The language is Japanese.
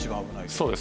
そうです。